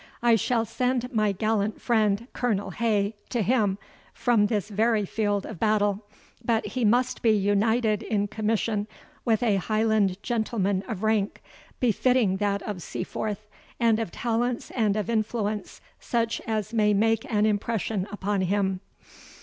I shall send my gallant friend, Colonel Hay, to him, from this very field of battle, but he must be united in commission with a Highland gentleman of rank, befitting that of Seaforth, and of talents and of influence such as may make an impression upon him.